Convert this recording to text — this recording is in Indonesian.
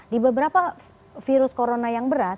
di beberapa virus corona yang berat